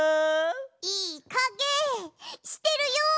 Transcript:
いいかげしてるよ！